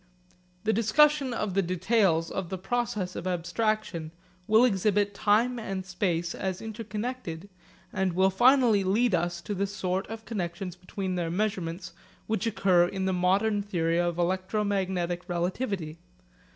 The discussion of the details of the process of abstraction will exhibit time and space as interconnected, and will finally lead us to the sort of connexions between their measurements which occur in the modern theory of electromagnetic relativity.